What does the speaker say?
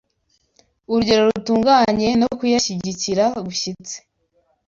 urugero rutunganye no kuyashyigikira gushyitse